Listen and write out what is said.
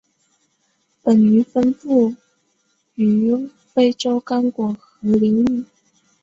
本鱼分布于非洲刚果河流域。